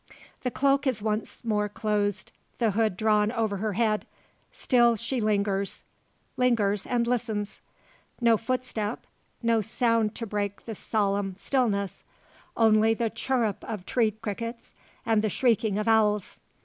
The cloak is once more closed, the hood drawn over her head. Still she lingers lingers, and listens. No footstep no sound to break the solemn stillness only the chirrup of tree crickets, and the shrieking of owls.